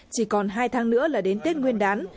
chỉ còn hai tháng nữa là đến tết nguyên đán